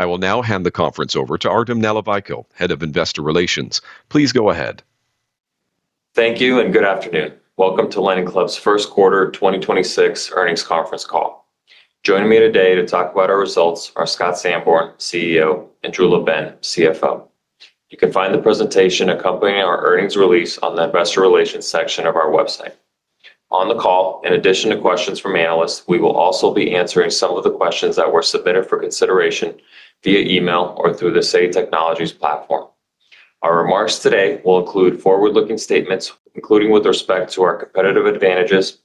I will now hand the conference over to Artem Nalivayko, Head of Investor Relations. Please go ahead. Thank you and good afternoon. Welcome to LendingClub's First Quarter 2026 Earnings Conference Call. Joining me today to talk about our results are Scott Sanborn, CEO, and Drew LaBenne, CFO. You can find the presentation accompanying our earnings release on the investor relations section of our website. On the call, in addition to questions from analysts, we will also be answering some of the questions that were submitted for consideration via email or through the Say Technologies platform. Our remarks today will include forward-looking statements, including with respect to our competitive advantages,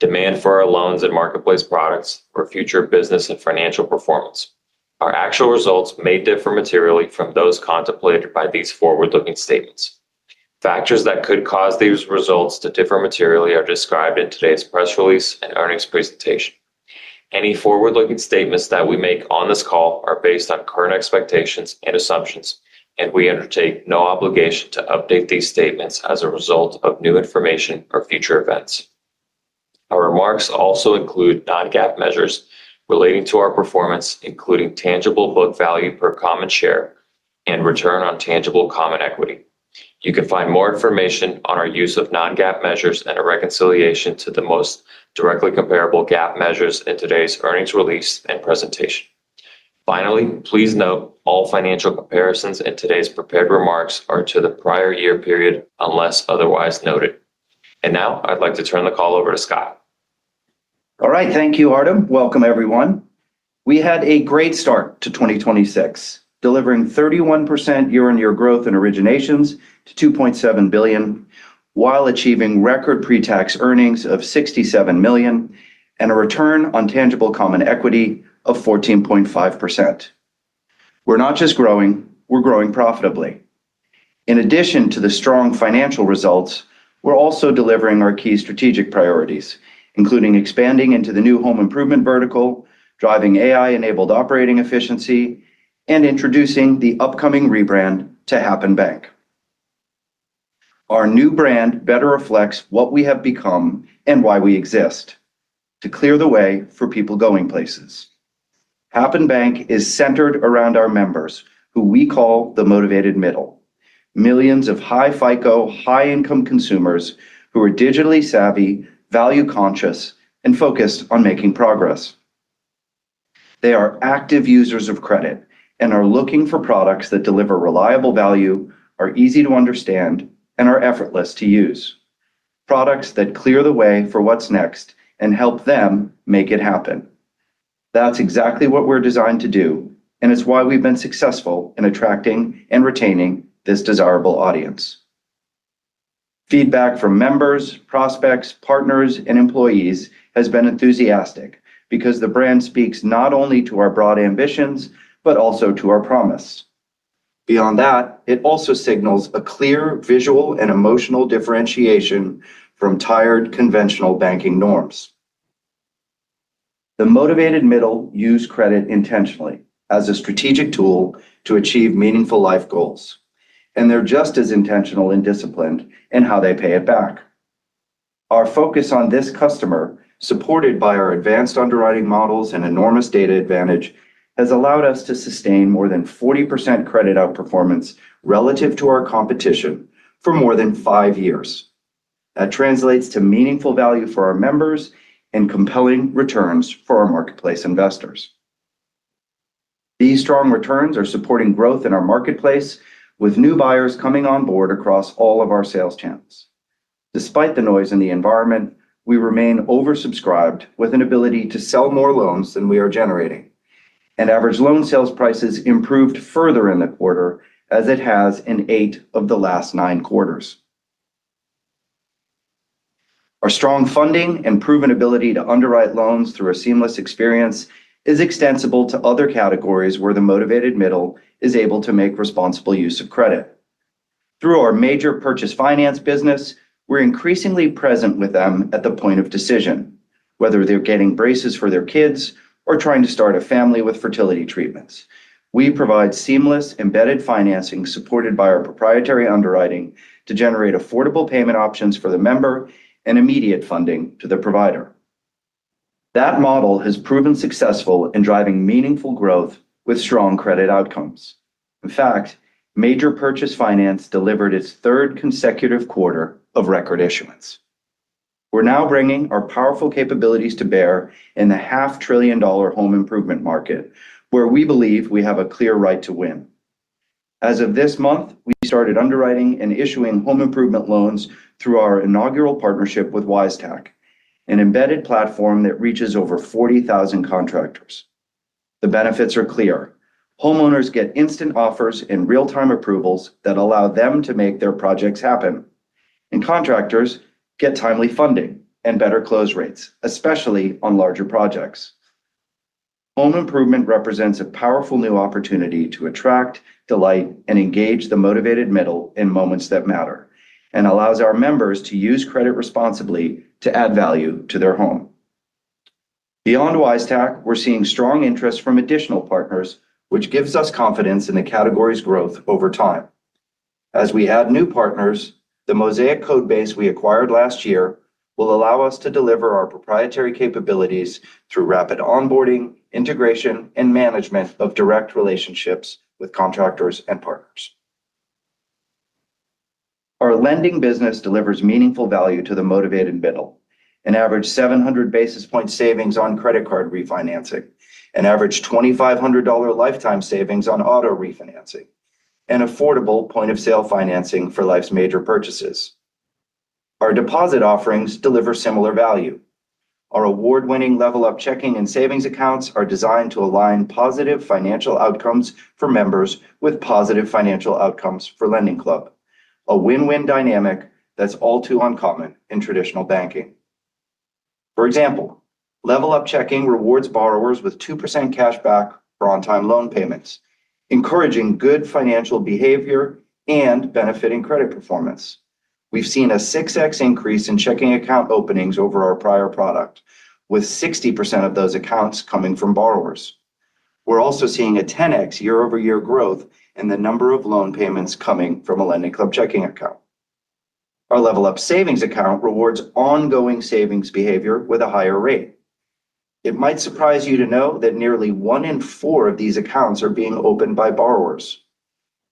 demand for our loans and marketplace products, or future business and financial performance. Our actual results may differ materially from those contemplated by these forward-looking statements. Factors that could cause these results to differ materially are described in today's press release and earnings presentation. Any forward-looking statements that we make on this call are based on current expectations and assumptions, and we undertake no obligation to update these statements as a result of new information or future events. Our remarks also include non-GAAP measures relating to our performance, including tangible book value per common share and return on tangible common equity. You can find more information on our use of non-GAAP measures and a reconciliation to the most directly comparable GAAP measures in today's earnings release and presentation. Finally, please note all financial comparisons in today's prepared remarks are to the prior year period, unless otherwise noted. Now I'd like to turn the call over to Scott. All right. Thank you, Artem. Welcome, everyone. We had a great start to 2026, delivering 31% year-on-year growth in originations to $2.7 billion, while achieving record pre-tax earnings of $67 million and a return on tangible common equity of 14.5%. We're not just growing, we're growing profitably. In addition to the strong financial results, we're also delivering our key strategic priorities, including expanding into the new home improvement vertical, driving AI-enabled operating efficiency, and introducing the upcoming rebrand to Happen Bank. Our new brand better reflects what we have become and why we exist, to clear the way for people going places. Happen Bank is centered around our members, who we call the Motivated Middle. Millions of high-FICO, high-income consumers who are digitally savvy, value-conscious, and focused on making progress. They are active users of credit and are looking for products that deliver reliable value, are easy to understand, and are effortless to use. Products that clear the way for what's next and help them make it happen. That's exactly what we're designed to do, and it's why we've been successful in attracting and retaining this desirable audience. Feedback from members, prospects, partners, and employees has been enthusiastic because the brand speaks not only to our broad ambitions but also to our promise. Beyond that, it also signals a clear visual and emotional differentiation from tired conventional banking norms. The Motivated Middle use credit intentionally as a strategic tool to achieve meaningful life goals, and they're just as intentional and disciplined in how they pay it back. Our focus on this customer, supported by our advanced underwriting models and enormous data advantage, has allowed us to sustain more than 40% credit outperformance relative to our competition for more than five years. That translates to meaningful value for our members and compelling returns for our marketplace investors. These strong returns are supporting growth in our marketplace with new buyers coming on board across all of our sales channels. Despite the noise in the environment, we remain oversubscribed with an ability to sell more loans than we are generating, and average loan sales prices improved further in the quarter as it has in eight of the last nine quarters. Our strong funding and proven ability to underwrite loans through a seamless experience is extensible to other categories where the Motivated Middle is able to make responsible use of credit. Through our major purchase finance business, we're increasingly present with them at the point of decision, whether they're getting braces for their kids or trying to start a family with fertility treatments. We provide seamless embedded financing supported by our proprietary underwriting to generate affordable payment options for the member and immediate funding to the provider. That model has proven successful in driving meaningful growth with strong credit outcomes. In fact, major purchase finance delivered its third consecutive quarter of record issuance. We're now bringing our powerful capabilities to bear in the half trillion dollar home improvement market, where we believe we have a clear right to win. As of this month, we started underwriting and issuing home improvement loans through our inaugural partnership with Wisetack, an embedded platform that reaches over 40,000 contractors. The benefits are clear. Homeowners get instant offers and real-time approvals that allow them to make their projects happen, and contractors get timely funding and better close rates, especially on larger projects. Home improvement represents a powerful new opportunity to attract, delight, and engage the Motivated Middle in moments that matter, and allows our members to use credit responsibly to add value to their home. Beyond Wisetack, we're seeing strong interest from additional partners, which gives us confidence in the category's growth over time. As we add new partners, the Mosaic code base we acquired last year will allow us to deliver our proprietary capabilities through rapid onboarding, integration, and management of direct relationships with contractors and partners. Our lending business delivers meaningful value to the Motivated Middle, an average 700 basis points savings on credit card refinancing, an average $2,500 lifetime savings on auto refinancing, and affordable point-of-sale financing for life's major purchases. Our deposit offerings deliver similar value. Our award-winning LevelUp Checking and Savings accounts are designed to align positive financial outcomes for members with positive financial outcomes for LendingClub, a win-win dynamic that's all too uncommon in traditional banking. For example, LevelUp Checking rewards borrowers with 2% cashback for on-time loan payments, encouraging good financial behavior and benefiting credit performance. We've seen a six times increase in checking account openings over our prior product, with 60% of those accounts coming from borrowers. We're also seeing a 10x year-over-year growth in the number of loan payments coming from a LendingClub checking account. Our LevelUp Savings account rewards ongoing savings behavior with a higher rate. It might surprise you to know that nearly one in four of these accounts are being opened by borrowers.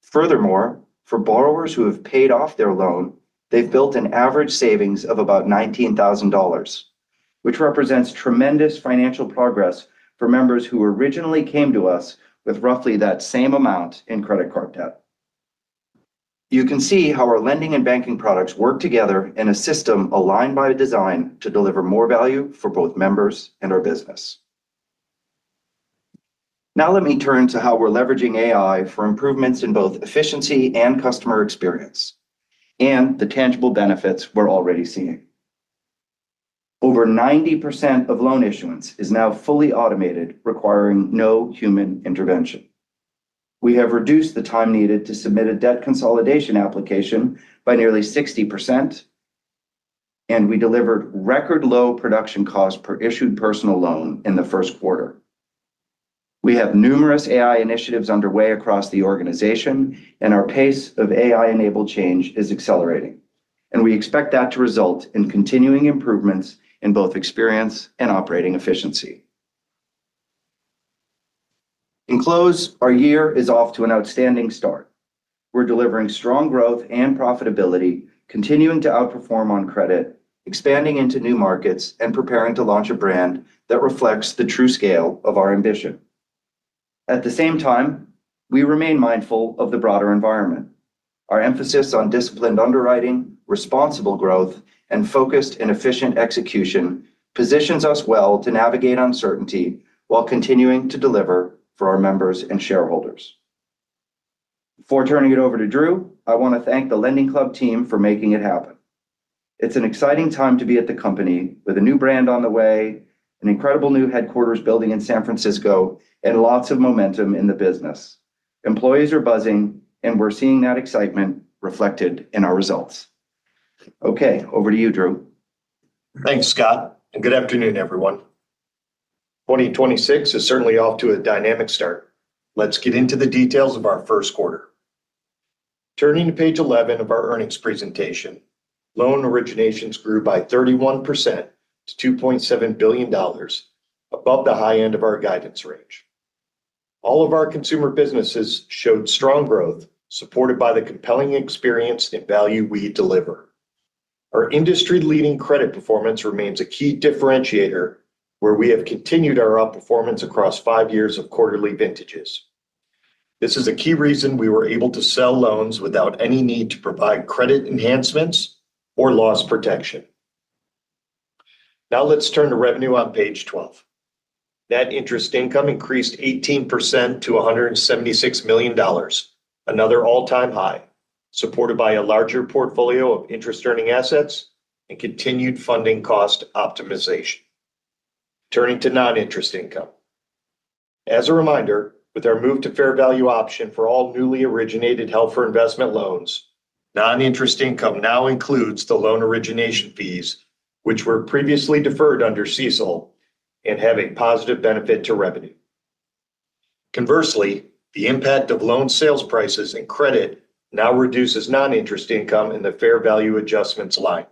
Furthermore, for borrowers who have paid off their loan, they've built an average savings of about $19,000, which represents tremendous financial progress for members who originally came to us with roughly that same amount in credit card debt. You can see how our lending and banking products work together in a system aligned by design to deliver more value for both members and our business. Now let me turn to how we're leveraging AI for improvements in both efficiency and customer experience and the tangible benefits we're already seeing. Over 90% of loan issuance is now fully automated, requiring no human intervention. We have reduced the time needed to submit a debt consolidation application by nearly 60%, and we delivered record low production cost per issued personal loan in the first quarter. We have numerous AI initiatives underway across the organization, and our pace of AI-enabled change is accelerating, and we expect that to result in continuing improvements in both experience and operating efficiency. In closing, our year is off to an outstanding start. We're delivering strong growth and profitability, continuing to outperform on credit, expanding into new markets, and preparing to launch a brand that reflects the true scale of our ambition. At the same time, we remain mindful of the broader environment. Our emphasis on disciplined underwriting, responsible growth, and focused and efficient execution positions us well to navigate uncertainty while continuing to deliver for our members and shareholders. Before turning it over to Drew, I want to thank the LendingClub team for making it happen. It's an exciting time to be at the company with a new brand on the way, an incredible new headquarters building in San Francisco, and lots of momentum in the business. Employees are buzzing, and we're seeing that excitement reflected in our results. Okay, over to you, Drew. Thanks, Scott, and good afternoon, everyone. 2026 is certainly off to a dynamic start. Let's get into the details of our first quarter. Turning to page 11 of our earnings presentation, loan originations grew by 31% to $2.7 billion above the high end of our guidance range. All of our consumer businesses showed strong growth supported by the compelling experience and value we deliver. Our industry-leading credit performance remains a key differentiator where we have continued our outperformance across five years of quarterly vintages. This is a key reason we were able to sell loans without any need to provide credit enhancements or loss protection. Now let's turn to revenue on page 12. Net interest income increased 18% to $176 million. Another all-time high, supported by a larger portfolio of interest-earning assets and continued funding cost optimization. Turning to non-interest income. As a reminder, with our move to fair value option for all newly originated held for investment loans, non-interest income now includes the loan origination fees which were previously deferred under CECL and have a positive benefit to revenue. Conversely, the impact of loan sales prices and credit now reduces non-interest income in the fair value adjustments line.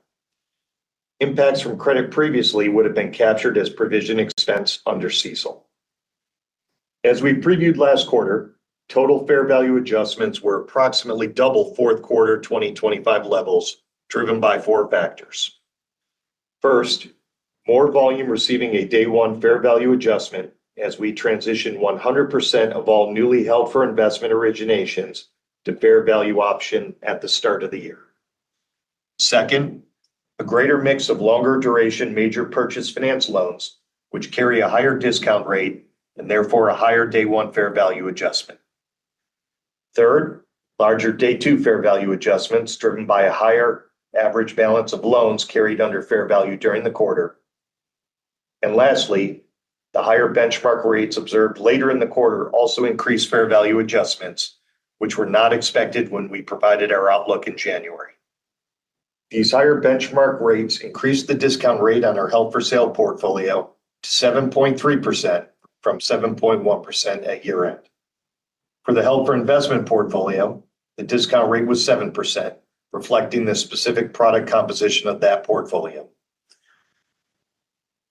Impacts from credit previously would have been captured as provision expense under CECL. As we previewed last quarter, total fair value adjustments were approximately double fourth quarter 2025 levels, driven by four factors. First, more volume receiving a day one fair value adjustment as we transition 100% of all newly held for investment originations to fair value option at the start of the year. Second, a greater mix of longer duration major purchase finance loans, which carry a higher discount rate and therefore a higher day one fair value adjustment. Third, larger day two fair value adjustments driven by a higher average balance of loans carried under fair value during the quarter. Lastly, the higher benchmark rates observed later in the quarter also increased fair value adjustments, which were not expected when we provided our outlook in January. These higher benchmark rates increased the discount rate on our held for sale portfolio to 7.3% from 7.1% at year-end. For the held for investment portfolio, the discount rate was 7%, reflecting the specific product composition of that portfolio.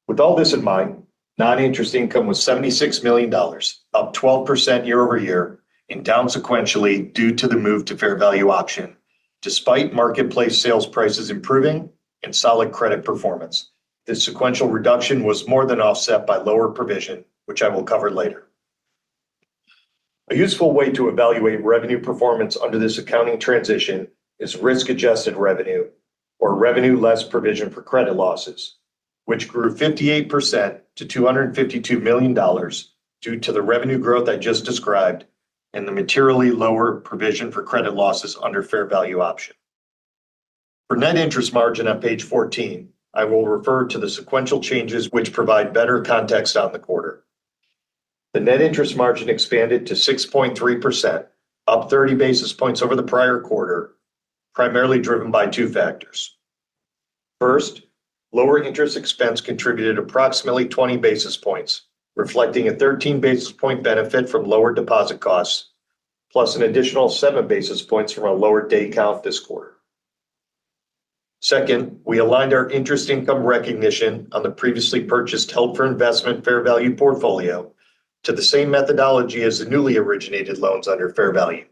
With all this in mind, non-interest income was $76 million, up 12% year-over-year and down sequentially due to the move to fair value option. Despite marketplace sales prices improving and solid credit performance, the sequential reduction was more than offset by lower provision, which I will cover later. A useful way to evaluate revenue performance under this accounting transition is risk-adjusted revenue or revenue less provision for credit losses, which grew 58% to $252 million due to the revenue growth I just described and the materially lower provision for credit losses under fair value option. For net interest margin on page 14, I will refer to the sequential changes which provide better context on the quarter. The net interest margin expanded to 6.3%, up 30 basis points over the prior quarter, primarily driven by two factors. First, lower interest expense contributed approximately 20 basis points, reflecting a 13 basis point benefit from lower deposit costs, plus an additional 7 basis points from a lower day count this quarter. Second, we aligned our interest income recognition on the previously purchased held for investment fair value portfolio to the same methodology as the newly originated loans under fair value.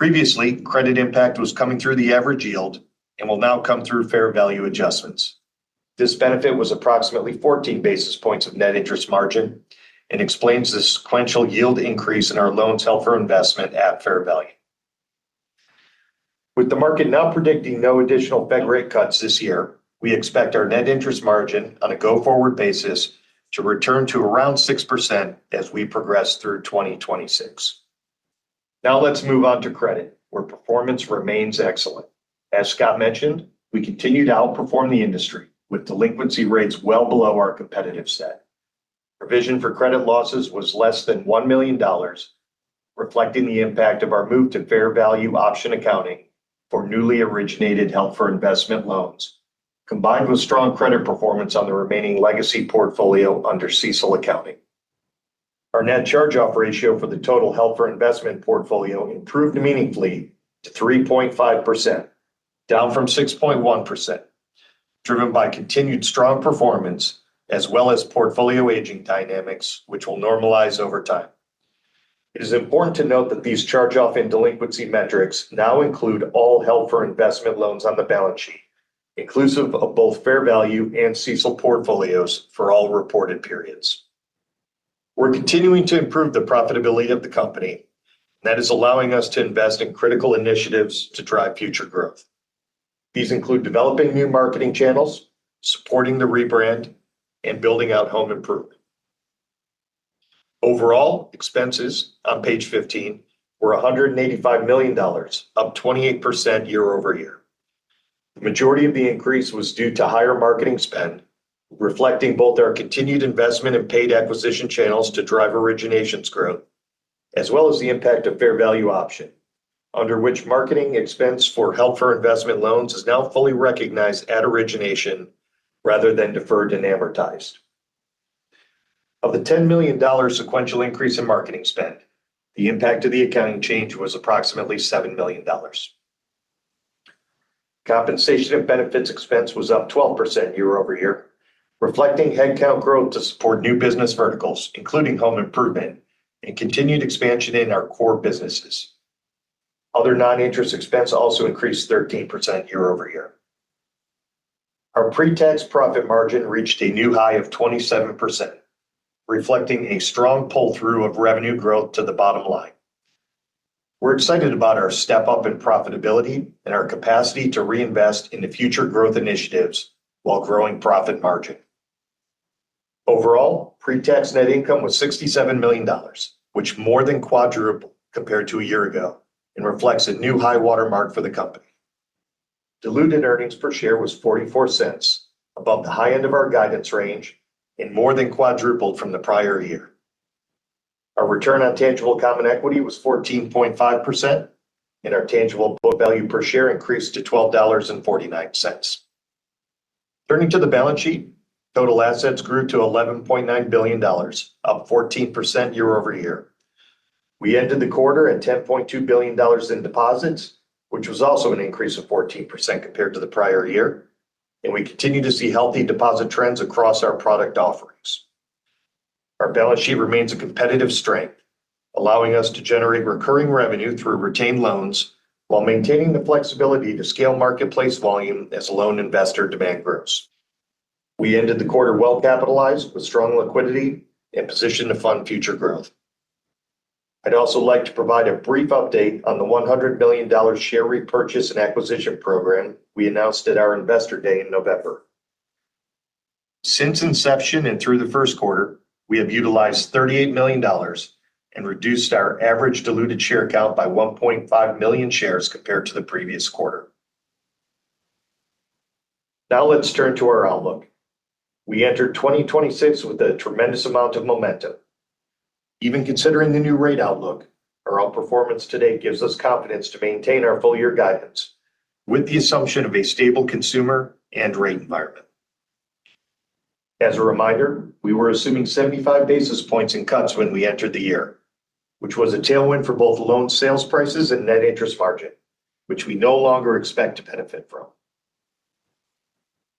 Previously, credit impact was coming through the average yield and will now come through fair value adjustments. This benefit was approximately 14 basis points of net interest margin and explains the sequential yield increase in our loans held for investment at fair value. With the market now predicting no additional Fed rate cuts this year, we expect our net interest margin on a go-forward basis to return to around 6% as we progress through 2026. Now let's move on to credit, where performance remains excellent. As Scott mentioned, we continue to outperform the industry with delinquency rates well below our competitive set. Provision for credit losses was less than $1 million, reflecting the impact of our move to fair value option accounting for newly originated held for investment loans, combined with strong credit performance on the remaining legacy portfolio under CECL accounting. Our net charge-off ratio for the total held for investment portfolio improved meaningfully to 3.5%, down from 6.1%, driven by continued strong performance as well as portfolio aging dynamics which will normalize over time. It is important to note that these charge-off and delinquency metrics now include all held for investment loans on the balance sheet, inclusive of both fair value and CECL portfolios for all reported periods. We're continuing to improve the profitability of the company that is allowing us to invest in critical initiatives to drive future growth. These include developing new marketing channels, supporting the rebrand, and building out home improvement. Overall, expenses on page 15 were $185 million, up 28% year-over-year. The majority of the increase was due to higher marketing spend, reflecting both our continued investment in paid acquisition channels to drive originations growth, as well as the impact of fair value option, under which marketing expense for held for investment loans is now fully recognized at origination rather than deferred and amortized. Of the $10 million sequential increase in marketing spend, the impact of the accounting change was approximately $7 million. Compensation and benefits expense was up 12% year-over-year, reflecting headcount growth to support new business verticals, including home improvement and continued expansion in our core businesses. Other non-interest expense also increased 13% year-over-year. Our pre-tax profit margin reached a new high of 27%, reflecting a strong pull-through of revenue growth to the bottom line. We're excited about our step up in profitability and our capacity to reinvest in the future growth initiatives while growing profit margin. Overall, pre-tax net income was $67 million, which more than quadrupled compared to a year ago and reflects a new high water mark for the company. Diluted earnings per share was $0.44 above the high end of our guidance range and more than quadrupled from the prior year. Our return on tangible common equity was 14.5%, and our tangible book value per share increased to $12.49. Turning to the balance sheet, total assets grew to $11.9 billion, up 14% year-over-year. We ended the quarter at $10.2 billion in deposits, which was also an increase of 14% compared to the prior year. We continue to see healthy deposit trends across our product offerings. Our balance sheet remains a competitive strength, allowing us to generate recurring revenue through retained loans while maintaining the flexibility to scale marketplace volume as a loan investor to bank groups. We ended the quarter well-capitalized with strong liquidity and positioned to fund future growth. I'd also like to provide a brief update on the $100 million share repurchase and acquisition program we announced at our Investor Day in November. Since inception and through the first quarter, we have utilized $38 million and reduced our average diluted share count by 1.5 million shares compared to the previous quarter. Now let's turn to our outlook. We entered 2026 with a tremendous amount of momentum. Even considering the new rate outlook, our outperformance today gives us confidence to maintain our full year guidance with the assumption of a stable consumer and rate environment. As a reminder, we were assuming 75 basis points in cuts when we entered the year, which was a tailwind for both loan sales prices and net interest margin, which we no longer expect to benefit from.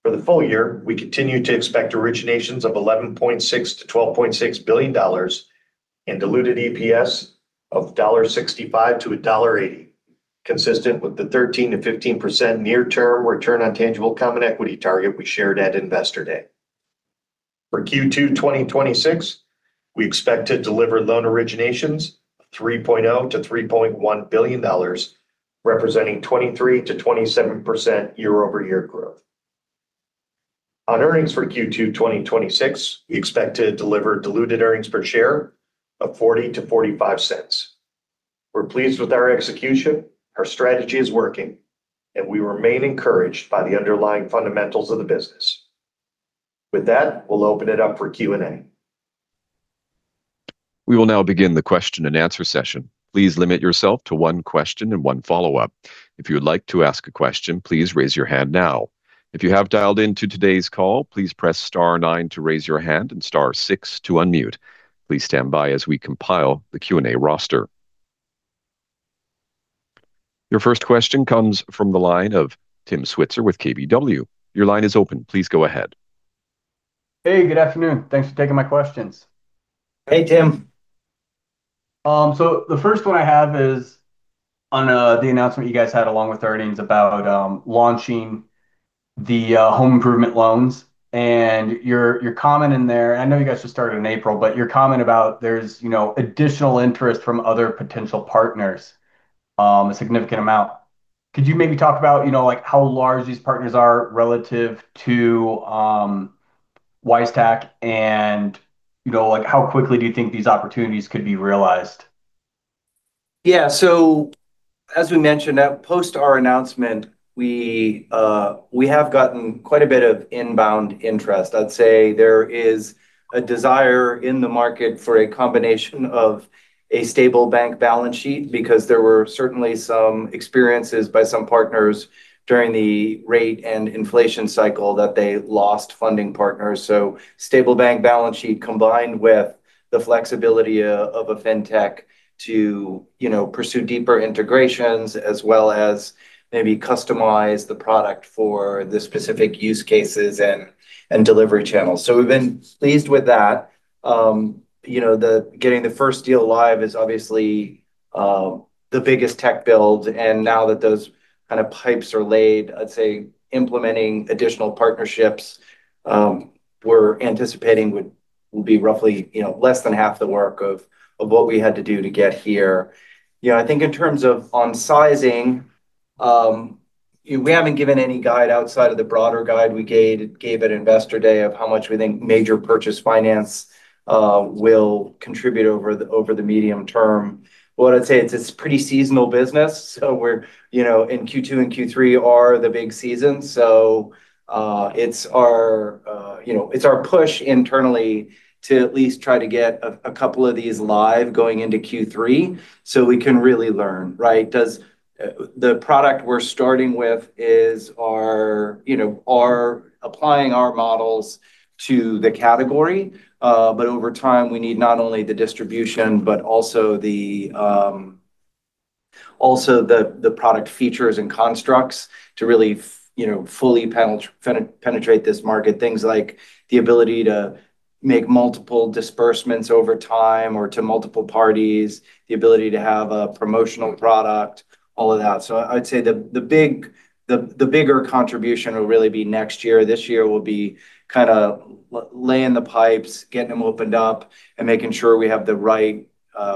For the full year, we continue to expect originations of $11.6 billion-$12.6 billion and diluted EPS of $0.65-$0.80, consistent with the 13%-15% near term return on tangible common equity target we shared at Investor Day. For Q2 2026, we expect to deliver loan originations of $3.0 billion-$3.1 billion, representing 23%-27% year-over-year growth. On earnings for Q2 2026, we expect to deliver diluted earnings per share of $0.40-$0.45. We're pleased with our execution, our strategy is working, and we remain encouraged by the underlying fundamentals of the business. With that, we'll open it up for Q&A. We will now begin the question-and-answer session. Please limit yourself to one question and one follow-up. If you would like to ask a question, please raise your hand now. If you have dialed into today's call, please press star nine to raise your hand and star six to unmute. Please stand by as we compile the Q&A roster. Your first question comes from the line of Tim Switzer with KBW. Your line is open. Please go ahead. Hey, good afternoon. Thanks for taking my questions. Hey, Tim. The first one I have is on the announcement you guys had along with our earnings about launching the home improvement loans and your comment in there. I know you guys just started in April, but your comment about there's you know additional interest from other potential partners a significant amount. Could you maybe talk about you know like how large these partners are relative to Wisetack? You know like how quickly do you think these opportunities could be realized? Yeah. As we mentioned post our announcement, we have gotten quite a bit of inbound interest. I'd say there is a desire in the market for a combination of a stable bank balance sheet because there were certainly some experiences by some partners during the rate and inflation cycle that they lost funding partners. Stable bank balance sheet combined with the flexibility of a fintech to pursue deeper integrations as well as maybe customize the product for the specific use cases and delivery channels. We've been pleased with that. You know, getting the first deal live is obviously the biggest tech build. Now that those kind of pipes are laid, I'd say implementing additional partnerships, we're anticipating would, will be roughly, you know, less than half the work of what we had to do to get here. You know, I think in terms of on sizing, we haven't given any guide outside of the broader guide we gave at Investor Day of how much we think major purchase finance will contribute over the medium term. What I'd say it's pretty seasonal business. We're, you know, in Q2 and Q3 are the big seasons. It's our, you know, it's our push internally to at least try to get a couple of these live going into Q3 so we can really learn, right? The product we're starting with is our applying our models to the category. Over time, we need not only the distribution, but also the product features and constructs to really fully penetrate this market. Things like the ability to make multiple disbursements over time or to multiple parties, the ability to have a promotional product, all of that. I'd say the bigger contribution will really be next year. This year will be kinda laying the pipes, getting them opened up, and making sure we have the right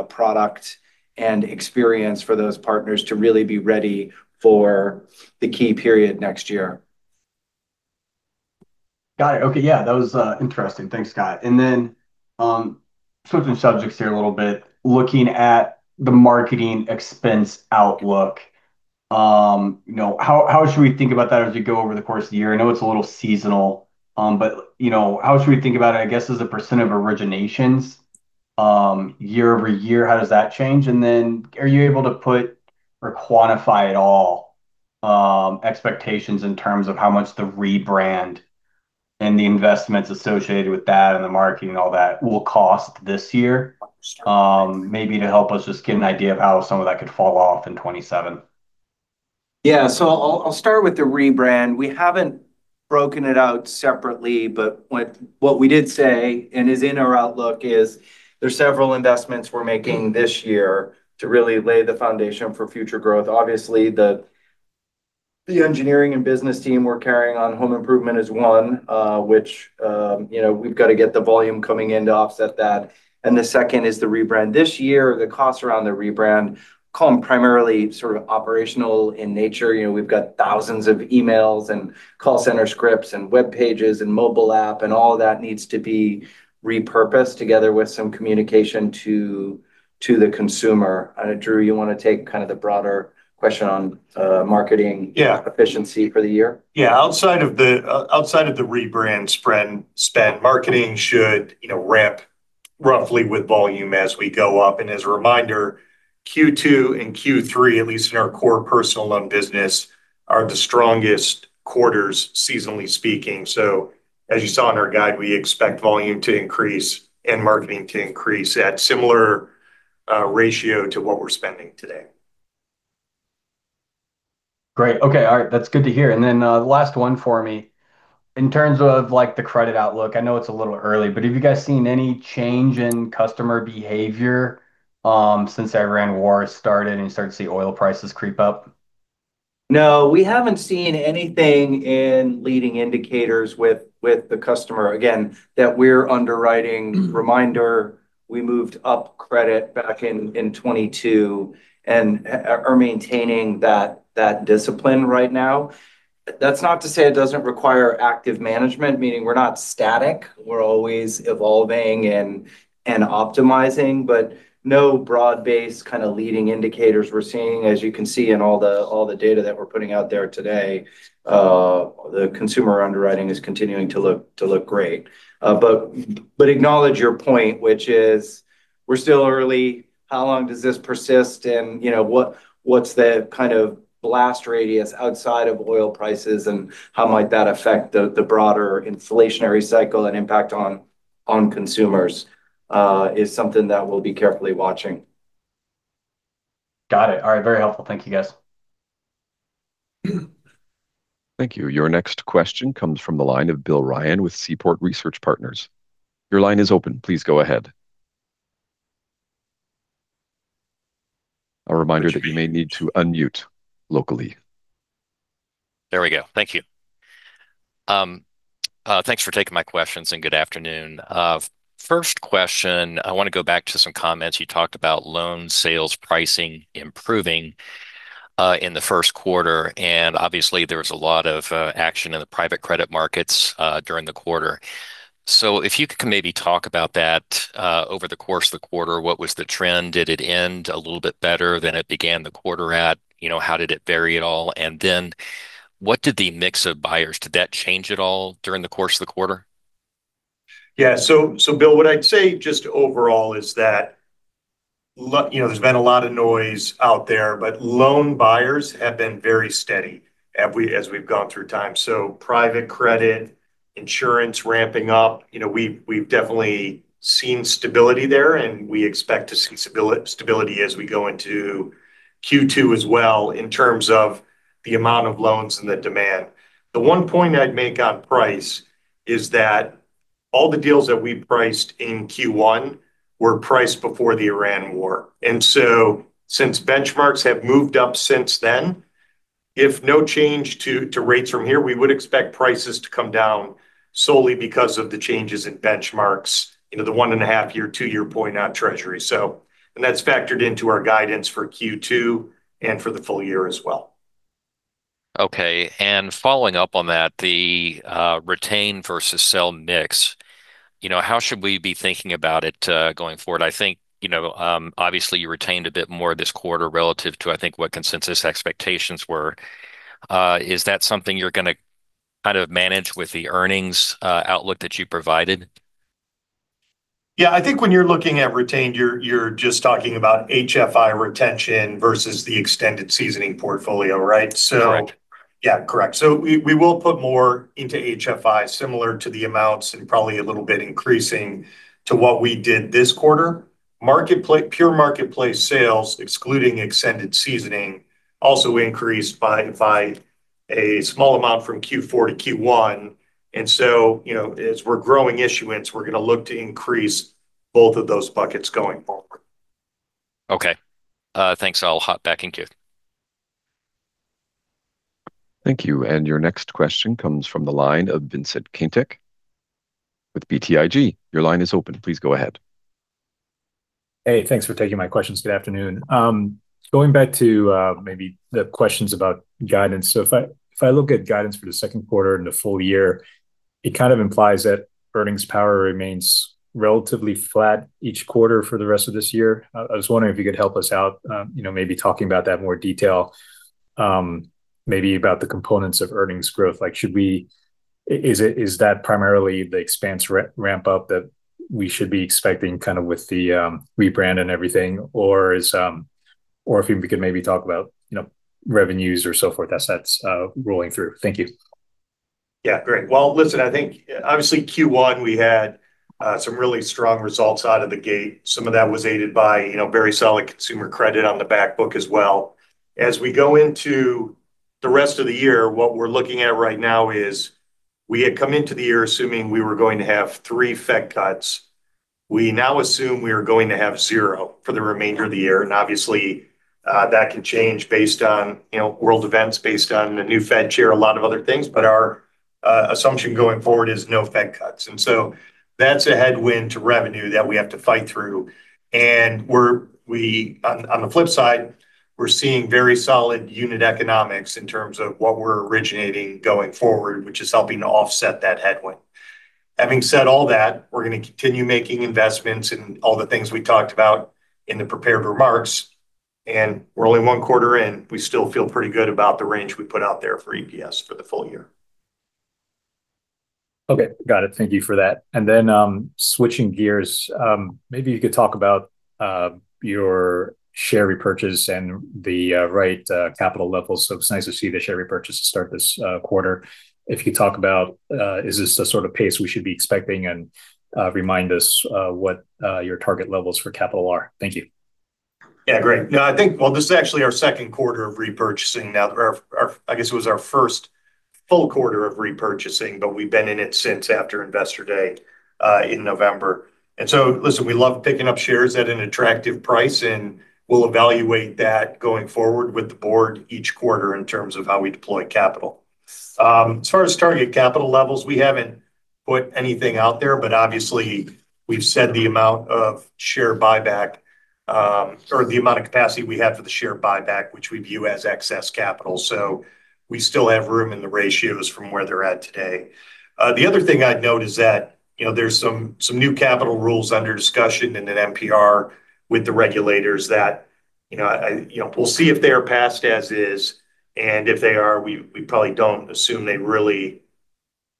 product and experience for those partners to really be ready for the key period next year. Got it. Okay. Yeah, that was interesting. Thanks, Scott. Then switching subjects here a little bit, looking at the marketing expense outlook, you know, how should we think about that as we go over the course of the year? I know it's a little seasonal, but you know, how should we think about it, I guess, as a percent of originations, year-over-year? How does that change? Then are you able to put or quantify at all expectations in terms of how much the rebrand and the investments associated with that and the marketing and all that will cost this year? Maybe to help us just get an idea of how some of that could fall off in 2027. I'll start with the rebrand. We haven't broken it out separately, but we did say and is in our outlook is there's several investments we're making this year to really lay the foundation for future growth. Obviously, the engineering and business team we're carrying on home improvement is one, which you know, we've got to get the volume coming in to offset that. The second is the rebrand. This year, the costs around the rebrand call them primarily sort of operational in nature. You know, we've got thousands of emails and call center scripts and web pages and mobile app, and all that needs to be repurposed together with some communication to the consumer. Drew, you want to take kind of the broader question on marketing- Yeah. efficiency for the year? Yeah. Outside of the rebrand spend, marketing should, you know, ramp roughly with volume as we go up. As a reminder, Q2 and Q3, at least in our core personal loan business, are the strongest quarters seasonally speaking. As you saw in our guide, we expect volume to increase and marketing to increase at similar ratio to what we're spending today. Great. Okay. All right, that's good to hear. Last one for me. In terms of, like, the credit outlook, I know it's a little early, but have you guys seen any change in customer behavior, since the Iran war started and you started to see oil prices creep up? No, we haven't seen anything in leading indicators with the customer. Again, that we're underwriting. Reminder, we moved up credit back in 2022 and are maintaining that discipline right now. That's not to say it doesn't require active management, meaning we're not static. We're always evolving and optimizing, but no broad-based kind of leading indicators we're seeing. As you can see in all the data that we're putting out there today, the consumer underwriting is continuing to look great. Acknowledge your point, which is we're still early. How long does this persist? You know, what's the kind of blast radius outside of oil prices and how might that affect the broader inflationary cycle and impact on consumers is something that we'll be carefully watching. Got it. All right, very helpful. Thank you, guys. Thank you. Your next question comes from the line of Bill Ryan with Seaport Research Partners. Your line is open. Please go ahead. A reminder that you may need to unmute locally. There we go. Thank you. Thanks for taking my questions and good afternoon. First question, I want to go back to some comments. You talked about loan sales pricing improving in the first quarter, and obviously there was a lot of action in the private credit markets during the quarter. If you could maybe talk about that over the course of the quarter, what was the trend? Did it end a little bit better than it began the quarter at? You know, how did it vary at all? Then, what did the mix of buyers, did that change at all during the course of the quarter? Yeah. Bill, what I'd say just overall is that you know, there's been a lot of noise out there, but loan buyers have been very steady as we've gone through time. Private credit, insurance ramping up, you know, we've definitely seen stability there, and we expect to see stability as we go into Q2 as well in terms of the amount of loans and the demand. The one point I'd make on price is that all the deals that we priced in Q1 were priced before the Iran war. Since benchmarks have moved up since then, if no change to rates from here, we would expect prices to come down solely because of the changes in benchmarks, you know, the 1.5-year, two-year point on Treasury. That's factored into our guidance for Q2 and for the full year as well. Okay. Following up on that, the retain versus sell mix, you know, how should we be thinking about it, going forward? I think, you know, obviously you retained a bit more this quarter relative to, I think, what consensus expectations were. Is that something you're gonna kind of manage with the earnings, outlook that you provided? Yeah. I think when you're looking at retained, you're just talking about HFI retention versus the extended seasoning portfolio, right? Correct. Yeah, correct. We will put more into HFI similar to the amounts and probably a little bit increasing to what we did this quarter. Marketplace, pure marketplace sales, excluding extended seasoning, also increased by a small amount from Q4 to Q1. You know, as we're growing issuance, we're gonna look to increase both of those buckets going forward. Okay. Thanks. I'll hop back in queue. Thank you. Your next question comes from the line of Vincent Caintic with BTIG. Your line is open. Please go ahead. Hey, thanks for taking my questions. Good afternoon. Going back to maybe the questions about guidance. If I look at guidance for the second quarter and the full year, it kind of implies that earnings power remains relatively flat each quarter for the rest of this year. I was wondering if you could help us out, you know, maybe talking about that in more detail, maybe about the components of earnings growth. Like, is that primarily the expense ramp up that we should be expecting kind of with the rebrand and everything? Or if you could maybe talk about, you know, revenues or so forth as that's rolling through. Thank you. Yeah, great. Well, listen, I think obviously Q1, we had some really strong results out of the gate. Some of that was aided by, you know, very solid consumer credit on the back book as well. As we go into the rest of the year, what we're looking at right now is we had come into the year assuming we were going to have three Fed cuts. We now assume we are going to have zero for the remainder of the year, and obviously, that can change based on, you know, world events, based on the new Fed chair, a lot of other things. Our assumption going forward is no Fed cuts, and so that's a headwind to revenue that we have to fight through. On the flip side, we're seeing very solid unit economics in terms of what we're originating going forward, which is helping to offset that headwind. Having said all that, we're gonna continue making investments in all the things we talked about in the prepared remarks, and we're only one quarter in. We still feel pretty good about the range we put out there for EPS for the full year. Okay, got it. Thank you for that. Switching gears, maybe you could talk about your share repurchase and the right capital levels. It's nice to see the share repurchase start this quarter. If you could talk about, is this the sort of pace we should be expecting? Remind us what your target levels for capital are. Thank you. Yeah, great. No, I think, well, this is actually our second quarter of repurchasing now. Or I guess it was our first full quarter of repurchasing, but we've been in it since after Investor Day in November. Listen, we love picking up shares at an attractive price, and we'll evaluate that going forward with the board each quarter in terms of how we deploy capital. As far as target capital levels, we haven't put anything out there, but obviously we've said the amount of share buyback, or the amount of capacity we have for the share buyback, which we view as excess capital. We still have room in the ratios from where they're at today. The other thing I'd note is that, you know, there's some new capital rules under discussion in an NPR with the regulators that, you know, we'll see if they are passed as is, and if they are, we probably don't assume they really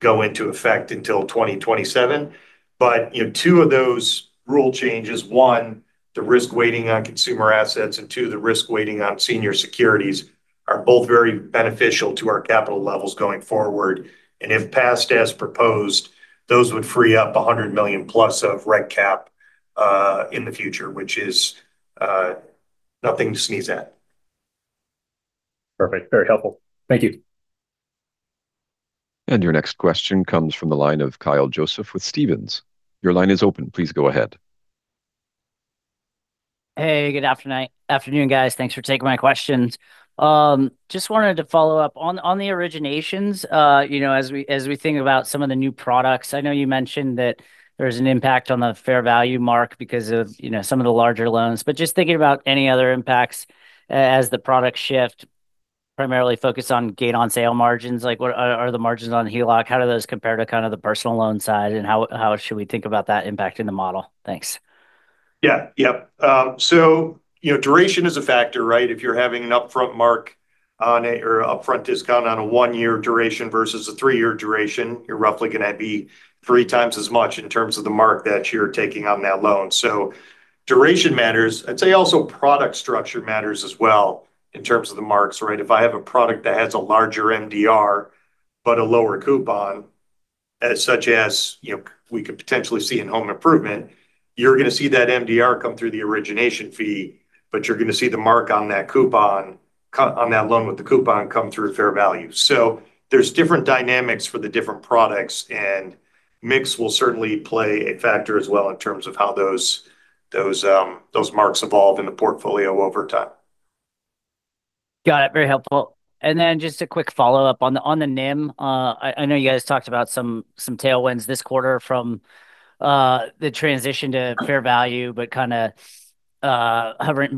go into effect until 2027. You know, two of those rule changes, one, the risk weighting on consumer assets, and two, the risk weighting on senior securities, are both very beneficial to our capital levels going forward. If passed as proposed, those would free up $100 million+ of reg cap in the future, which is nothing to sneeze at. Perfect. Very helpful. Thank you. Your next question comes from the line of Kyle Joseph with Stephens. Your line is open. Please go ahead. Hey, good afternoon, guys. Thanks for taking my questions. Just wanted to follow up on the originations as we think about some of the new products. I know you mentioned that there's an impact on the fair value mark because of you know some of the larger loans. But just thinking about any other impacts as the products shift, primarily focused on gain on sale margins. Like what are the margins on HELOC, how do those compare to kind of the personal loan side, and how should we think about that impact in the model? Thanks. You know, duration is a factor, right? If you're having an upfront mark on a, or upfront discount on a one-year duration versus a three-year duration, you're roughly gonna be three times as much in terms of the mark that you're taking on that loan. Duration matters. I'd say also product structure matters as well in terms of the marks, right? If I have a product that has a larger MDR but a lower coupon, such as, you know, we could potentially see in home improvement, you're gonna see that MDR come through the origination fee, but you're gonna see the mark on that coupon on that loan with the coupon come through fair value. There's different dynamics for the different products, and mix will certainly play a factor as well in terms of how those marks evolve in the portfolio over time. Got it. Very helpful. Just a quick follow-up on the NIM. I know you guys talked about some tailwinds this quarter from the transition to fair value, but kinda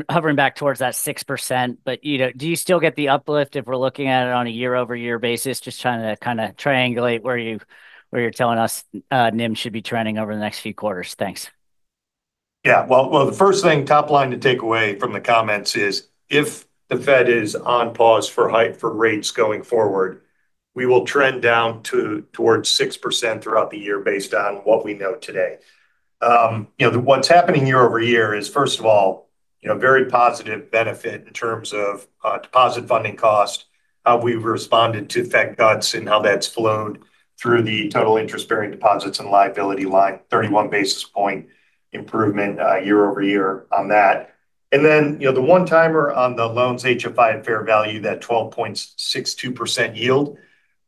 hovering back towards that 6%. You know, do you still get the uplift if we're looking at it on a year-over-year basis? Just trying to kinda triangulate where you're telling us NIM should be trending over the next few quarters. Thanks. Well, the first thing top line to take away from the comments is if the Fed is on pause for rate hikes going forward, we will trend down towards 6% throughout the year based on what we know today. You know, what's happening year over year is, first of all, you know, very positive benefit in terms of deposit funding cost, how we've responded to Fed cuts and how that's flowed through the total interest-bearing deposits and liability line, 31 basis point improvement year over year on that. Then, you know, the one-timer on the loans HFI at fair value, that 12.62% yield,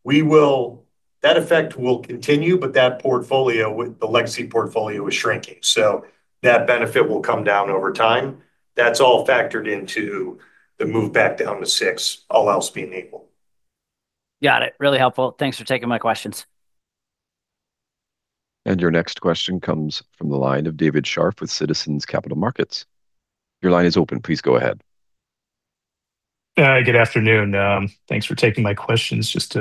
we will. That effect will continue, but that portfolio with the legacy portfolio is shrinking. So that benefit will come down over time. That's all factored into the move back down to 6%, all else being equal. Got it. Really helpful. Thanks for taking my questions. Your next question comes from the line of David Scharf with Citizens Capital Markets. Your line is open. Please go ahead. Good afternoon. Thanks for taking my questions. Just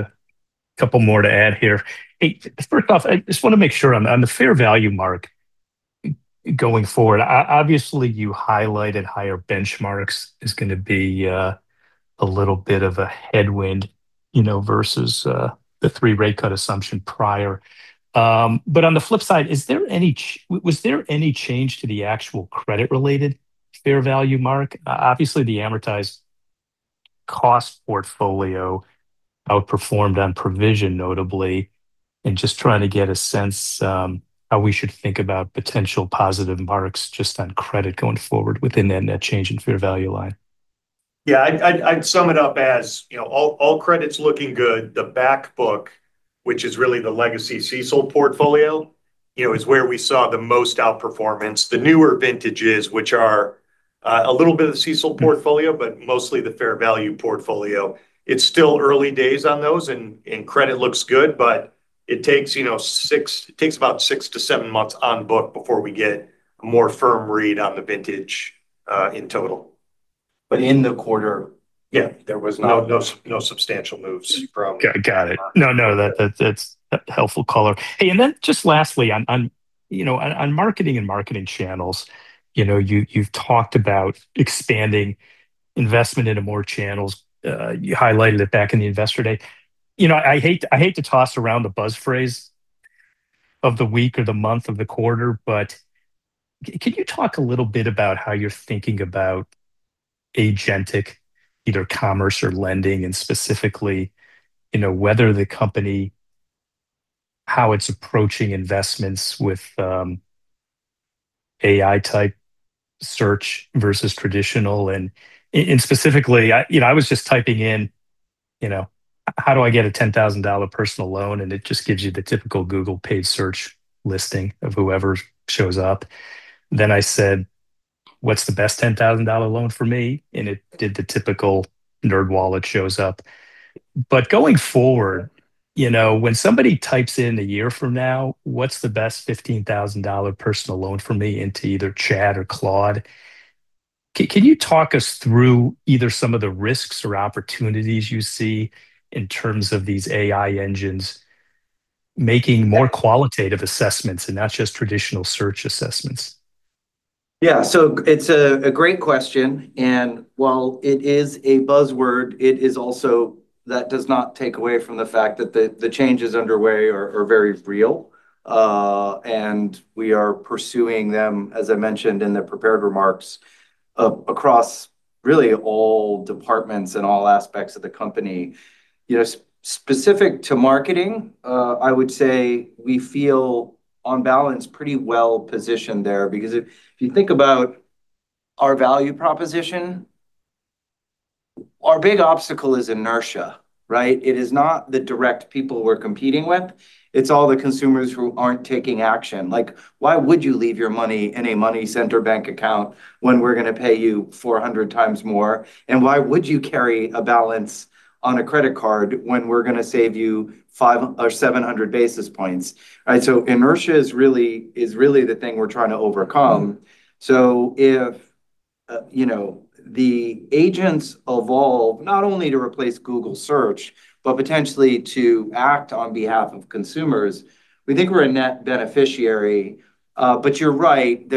a couple more to add here. Hey, first off, I just wanna make sure on the fair value mark going forward, obviously, you highlighted higher benchmarks is gonna be a little bit of a headwind, you know, versus the three rate cut assumption prior. On the flip side, was there any change to the actual credit-related fair value mark? Obviously, the amortized cost portfolio outperformed on provision notably, and just trying to get a sense how we should think about potential positive marks just on credit going forward within the net change in fair value line. Yeah, I'd sum it up as, you know, all credit's looking good. The back book, which is really the legacy CECL portfolio, you know, is where we saw the most outperformance. The newer vintages, which are a little bit of the CECL portfolio, but mostly the fair value portfolio, it's still early days on those and credit looks good, but it takes, you know, about six to seven months on book before we get a more firm read on the vintage in total. In the quarter. Yeah... there was no- No substantial moves from. Got it. No, that's helpful color. Hey, then just lastly on, you know, on marketing and marketing channels, you know, you've talked about expanding investment into more channels. You highlighted it back in the Investor Day. You know, I hate to toss around the buzz phrase of the week or the month or the quarter, but can you talk a little bit about how you're thinking about agentic, either commerce or lending, and specifically, you know, whether the company how it's approaching investments with AI-type search versus traditional? Specifically, you know, I was just typing in, you know, "how do I get a $10,000 personal loan?" It just gives you the typical Google page search listing of whoever shows up. I said, "What's the best $10,000 loan for me?" It did the typical NerdWallet shows up. Going forward, you know, when somebody types in a year from now, "What's the best $15,000 personal loan for me?" into either Chat or Claude, can you talk us through either some of the risks or opportunities you see in terms of these AI engines making more qualitative assessments and not just traditional search assessments? It's a great question. While it is a buzzword, it is also that does not take away from the fact that the changes underway are very real. We are pursuing them, as I mentioned in the prepared remarks, across really all departments and all aspects of the company. You know, specific to marketing, I would say we feel on balance pretty well-positioned there. Because if you think about our value proposition, our big obstacle is inertia, right? It is not the direct people we're competing with, it's all the consumers who aren't taking action. Like, why would you leave your money in a money center bank account when we're gonna pay you 400 times more? And why would you carry a balance on a credit card when we're gonna save you 500 or 700 basis points? Right. Inertia is really the thing we're trying to overcome. If the agents evolve, not only to replace Google search, but potentially to act on behalf of consumers, we think we're a net beneficiary. You're right.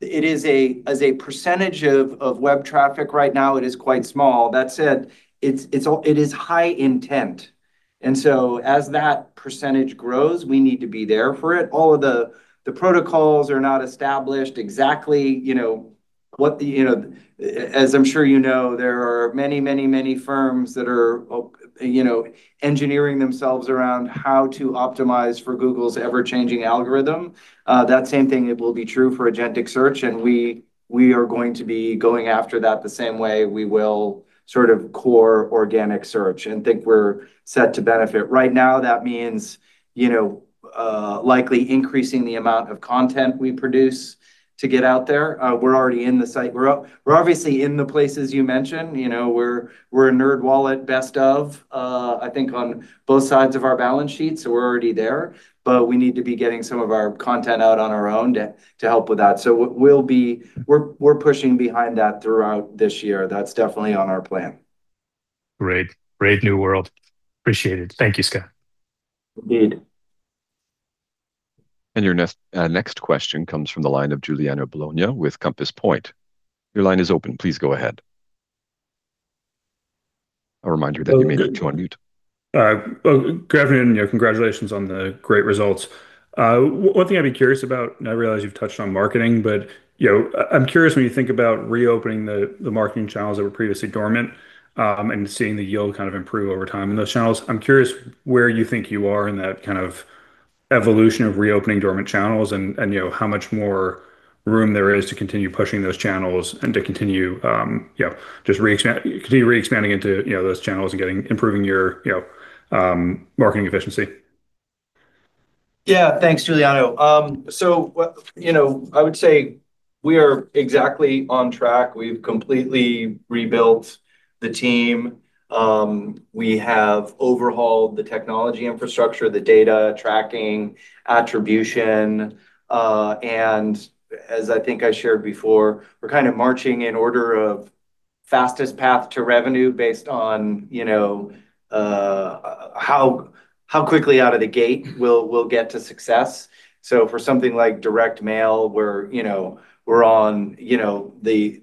As a percentage of web traffic right now, it is quite small. That said, it is high intent. As that percentage grows, we need to be there for it. All of the protocols are not established exactly. There are many firms that are engineering themselves around how to optimize for Google's ever-changing algorithm. That same thing, it will be true for agentic search, and we are going to be going after that the same way we will sort of core organic search and think we're set to benefit. Right now, that means, you know, likely increasing the amount of content we produce to get out there. We're already in the site. We're obviously in the places you mentioned. You know, we're a NerdWallet best of, I think on both sides of our balance sheet, so we're already there. But we need to be getting some of our content out on our own to help with that. We're pushing behind that throughout this year. That's definitely on our plan. Great new world. Appreciate it. Thank you, Scott. Indeed. Your next question comes from the line of Giuliano Bologna with Compass Point. Your line is open. Please go ahead. A reminder that you may need to unmute. Good afternoon. Congratulations on the great results. One thing I'd be curious about, and I realize you've touched on marketing, but, you know, I'm curious when you think about reopening the marketing channels that were previously dormant, and seeing the yield kind of improve over time in those channels. I'm curious where you think you are in that kind of evolution of reopening dormant channels and, you know, how much more room there is to continue pushing those channels and to continue re-expanding into those channels and improving your, you know, marketing efficiency. Yeah. Thanks, Giuliano. Well, you know, I would say we are exactly on track. We've completely rebuilt the team. We have overhauled the technology infrastructure, the data tracking, attribution, and as I think I shared before, we're kind of marching in order of fastest path to revenue based on, you know, how quickly out of the gate we'll get to success. For something like direct mail, we're on the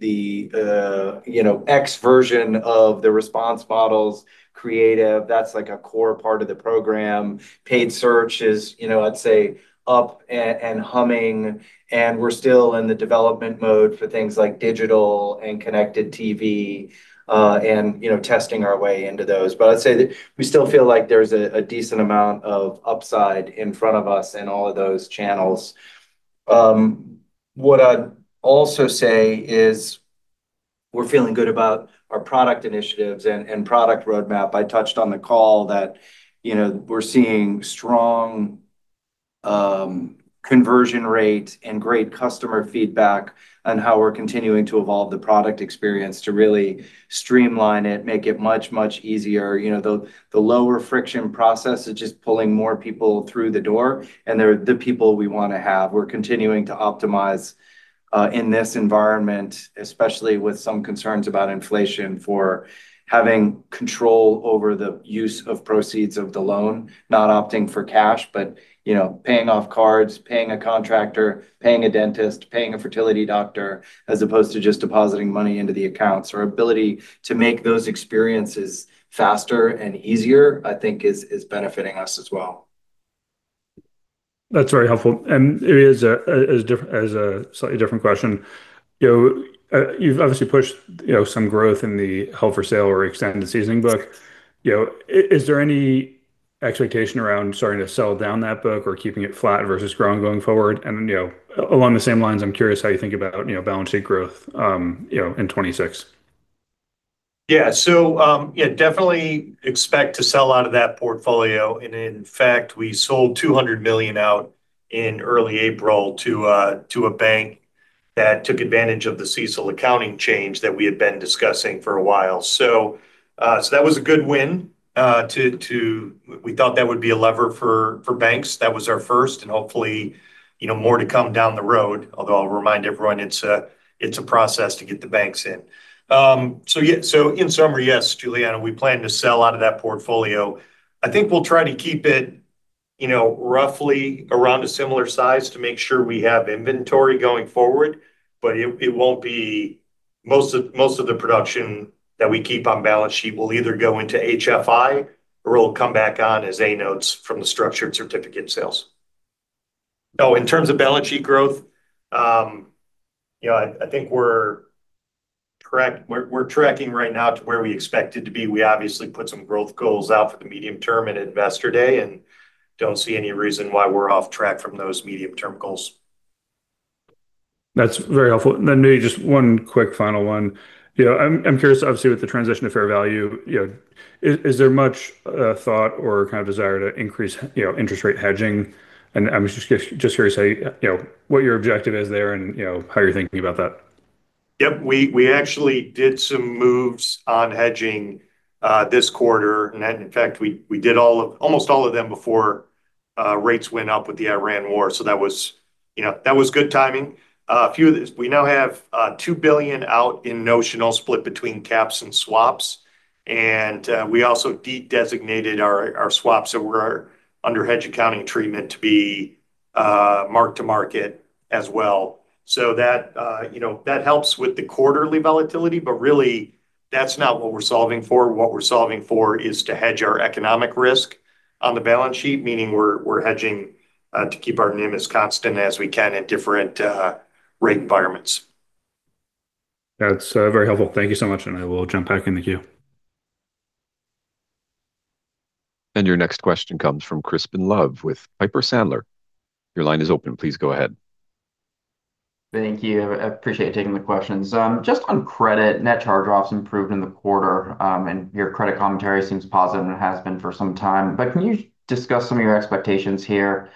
next version of the response models, creative. That's like a core part of the program. Paid search is, you know, I'd say up and running, and we're still in the development mode for things like digital and connected TV, and, you know, testing our way into those. I'd say that we still feel like there's a decent amount of upside in front of us in all of those channels. What I'd also say is we're feeling good about our product initiatives and product roadmap. I touched on the call that, you know, we're seeing strong conversion rate and great customer feedback on how we're continuing to evolve the product experience to really streamline it, make it much, much easier. You know, the lower friction process is just pulling more people through the door, and they're the people we wanna have. We're continuing to optimize in this environment, especially with some concerns about inflation, for having control over the use of proceeds of the loan, not opting for cash, but, you know, paying off cards, paying a contractor, paying a dentist, paying a fertility doctor, as opposed to just depositing money into the accounts. Our ability to make those experiences faster and easier, I think is benefiting us as well. That's very helpful. Here is a slightly different question. You know, you've obviously pushed, you know, some growth in the held for sale or extended seasoning book. You know, is there any expectation around starting to sell down that book or keeping it flat versus growing going forward? You know, along the same lines, I'm curious how you think about, you know, balance sheet growth, you know, in 2026. Yeah, definitely expect to sell out of that portfolio. In fact, we sold $200 million out in early April to a bank that took advantage of the CECL accounting change that we had been discussing for a while. That was a good win. We thought that would be a lever for banks. That was our first and hopefully, you know, more to come down the road. Although I'll remind everyone it's a process to get the banks in. In summary, yes, Giuliano, we plan to sell out of that portfolio. I think we'll try to keep it, you know, roughly around a similar size to make sure we have inventory going forward, but it won't be. Most of the production that we keep on balance sheet will either go into HFI or it'll come back on as A notes from the structured certificate sales. In terms of balance sheet growth, you know, I think we're correct. We're tracking right now to where we expected to be. We obviously put some growth goals out for the medium term in Investor Day, and don't see any reason why we're off track from those medium-term goals. That's very helpful. Maybe just one quick final one. You know, I'm curious, obviously, with the transition to fair value, you know, is there much thought or kind of desire to increase, you know, interest rate hedging? I'm just curious how you know what your objective is there and, you know, how you're thinking about that. Yep. We actually did some moves on hedging this quarter. In fact, we did almost all of them before rates went up with the Iran war. That was, you know, good timing. We now have $2 billion out in notional split between caps and swaps. We also dedesignated our swaps that were under hedge accounting treatment to be mark-to-market as well. That, you know, helps with the quarterly volatility, but really that's not what we're solving for. What we're solving for is to hedge our economic risk on the balance sheet, meaning we're hedging to keep our NIM as constant as we can in different rate environments. That's very helpful. Thank you so much, and I will jump back in the queue. Your next question comes from Crispin Love with Piper Sandler. Your line is open. Please go ahead. Thank you. I appreciate you taking the questions. Just on credit, net charge-offs improved in the quarter, and your credit commentary seems positive and has been for some time. Can you discuss some of your expectations here,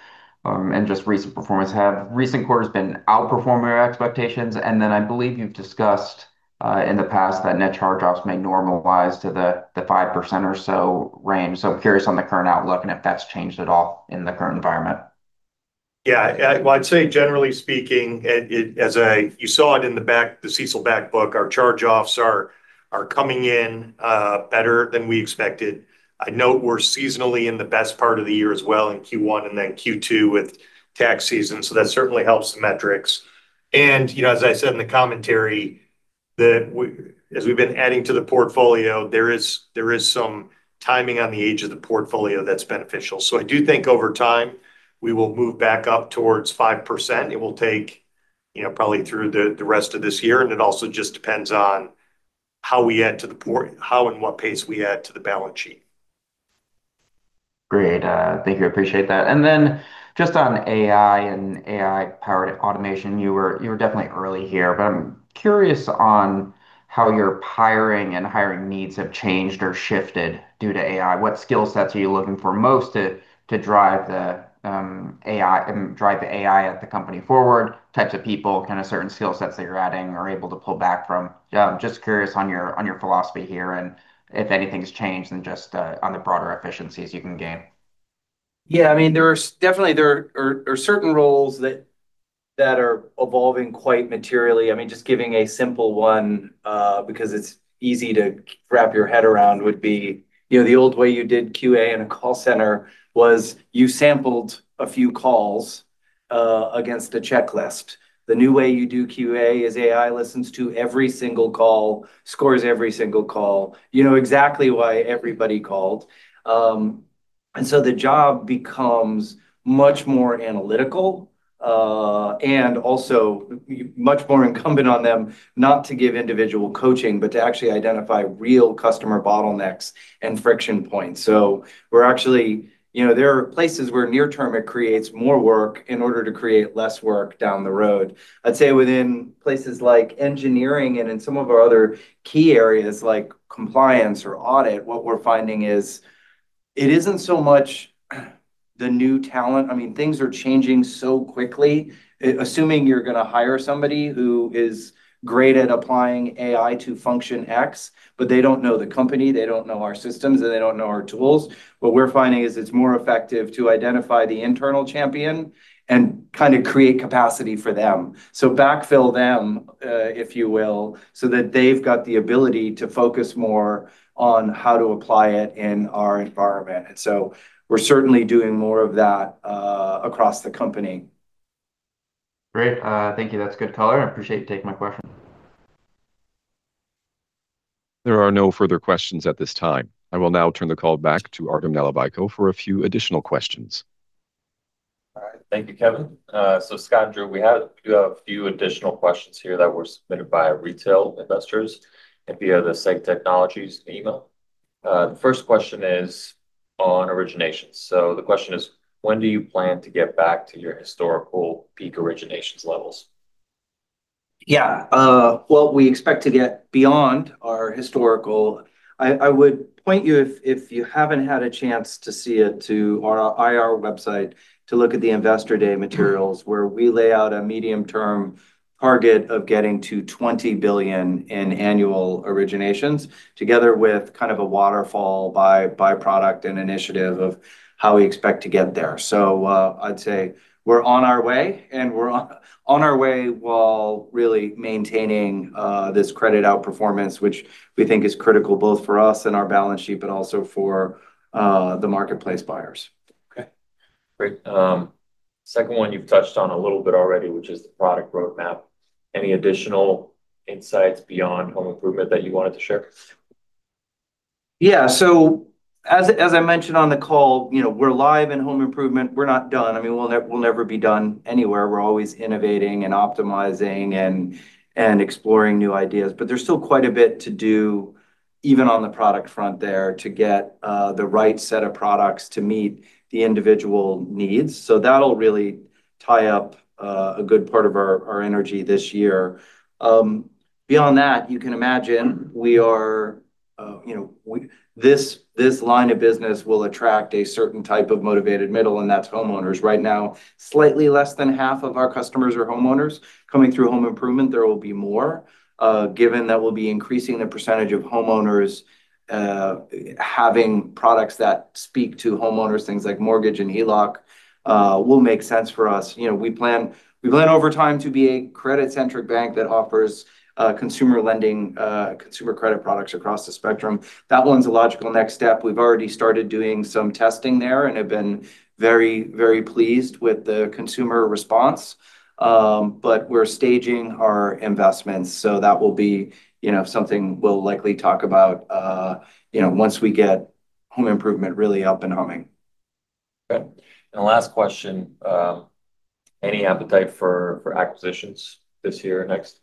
and just recent performance? Have recent quarters been outperforming your expectations? Then I believe you've discussed in the past that net charge-offs may normalize to the 5% or so range. I'm curious on the current outlook and if that's changed at all in the current environment. Well, I'd say generally speaking, you saw it in the back, the CECL back book, our charge-offs are coming in better than we expected. I know we're seasonally in the best part of the year as well in Q1 and then Q2 with tax season, so that certainly helps the metrics. I said in the commentary as we've been adding to the portfolio, there is some timing on the age of the portfolio that's beneficial. I do think over time, we will move back up towards 5%. It will take probably through the rest of this year. It also just depends on how and what pace we add to the balance sheet. Great. Thank you. I appreciate that. Just on AI and AI-powered automation, you were definitely early here, but I'm curious on how your hiring and hiring needs have changed or shifted due to AI. What skill sets are you looking for most to drive the AI at the company forward, types of people, kind of certain skill sets that you're adding or able to pull back from? Yeah, I'm just curious on your philosophy here and if anything's changed and just on the broader efficiencies you can gain. Yeah, I mean, there's definitely there are certain roles that are evolving quite materially. I mean, just giving a simple one, because it's easy to wrap your head around would be, you know, the old way you did QA in a call center was you sampled a few calls against a checklist. The new way you do QA is AI listens to every single call, scores every single call. You know exactly why everybody called. The job becomes much more analytical, and also much more incumbent on them not to give individual coaching, but to actually identify real customer bottlenecks and friction points. We're actually you know, there are places where near term it creates more work in order to create less work down the road. I'd say within places like engineering and in some of our other key areas like compliance or audit, what we're finding is it isn't so much the new talent. I mean, things are changing so quickly. Assuming you're going to hire somebody who is great at applying AI to function X, but they don't know the company, they don't know our systems, and they don't know our tools. What we're finding is it's more effective to identify the internal champion and kind of create capacity for them. Backfill them, if you will, so that they've got the ability to focus more on how to apply it in our environment. We're certainly doing more of that across the company. Great. Thank you. That's good color. I appreciate you taking my question. There are no further questions at this time. I will now turn the call back to Artem Nalivayko for a few additional questions. All right. Thank you, Kevin. Scott and Drew, we had a few additional questions here that were submitted by our retail investors and via the Say Technologies email. The first question is on originations. The question is: When do you plan to get back to your historical peak originations levels? Yeah. Well, we expect to get beyond our historical. I would point you if you haven't had a chance to see it to our IR website to look at the Investor Day materials where we lay out a medium-term target of getting to $20 billion in annual originations together with kind of a waterfall by byproduct and initiative of how we expect to get there. I'd say we're on our way, and we're on our way while really maintaining this credit outperformance which we think is critical both for us and our balance sheet, but also for the marketplace buyers. Okay. Great. Second one you've touched on a little bit already which is the product roadmap. Any additional insights beyond home improvement that you wanted to share? Yeah. As I mentioned on the call, you know, we're live in home improvement. We're not done. I mean, we'll never be done anywhere. We're always innovating and optimizing and exploring new ideas, but there's still quite a bit to do even on the product front there to get the right set of products to meet the individual needs. That'll really tie up a good part of our energy this year. Beyond that, you can imagine this line of business will attract a certain type of Motivated Middle, and that's homeowners. Right now, slightly less than half of our customers are homeowners. Coming through home improvement, there will be more, given that we'll be increasing the percentage of homeowners, having products that speak to homeowners, things like mortgage and HELOC, will make sense for us. You know, we plan over time to be a credit-centric bank that offers, consumer lending, consumer credit products across the spectrum. That one's a logical next step. We've already started doing some testing there and have been very, very pleased with the consumer response. But we're staging our investments, so that will be, you know, something we'll likely talk about, you know, once we get home improvement really up and humming. Okay. Last question, any appetite for acquisitions this year or next?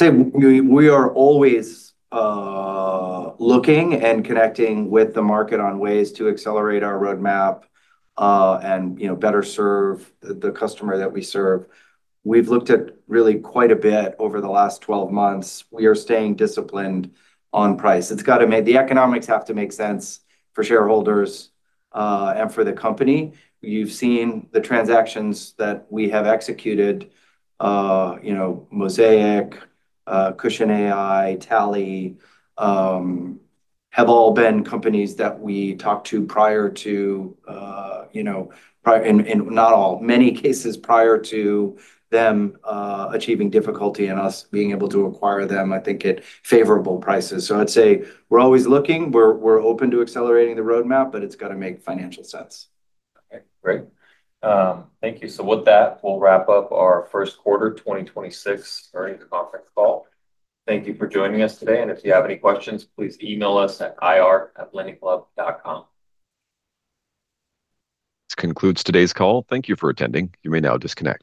We are always looking and connecting with the market on ways to accelerate our roadmap, and, you know, better serve the customer that we serve. We've looked at really quite a bit over the last 12 months. We are staying disciplined on price. The economics have to make sense for shareholders, and for the company. You've seen the transactions that we have executed. You know, Mosaic, Cushion AI, Tally have all been companies that we talked to prior to, and in many cases prior to them achieving difficulty and us being able to acquire them, I think, at favorable prices. I'd say we're always looking. We're open to accelerating the roadmap, but it's gotta make financial sense. Okay. Great. Thank you. With that, we'll wrap up our First Quarter 2026 Earnings Conference Call. Thank you for joining us today, and if you have any questions, please email us at ir@lendingclub.com. This concludes today's call. Thank you for attending. You may now disconnect.